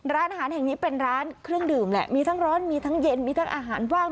ร้านอาหารแห่งนี้เป็นร้านเครื่องดื่มแหละมีทั้งร้อนมีทั้งเย็นมีทั้งอาหารว่าง